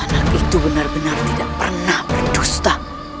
anak itu benar benar tidak pernah berdosta